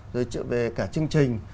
rồi trợ về cả chương trình